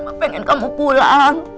mama pengen kamu pulang